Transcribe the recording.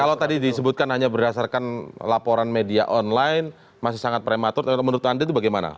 kalau tadi disebutkan hanya berdasarkan laporan media online masih sangat prematur menurut anda itu bagaimana